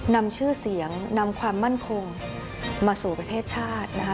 นำชื่อเสียงนำความมั่นคงมาสู่ประเทศชาตินะคะ